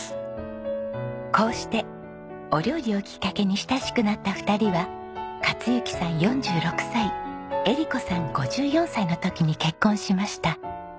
こうしてお料理をきっかけに親しくなった２人は克幸さん４６歳絵理子さん５４歳の時に結婚しました。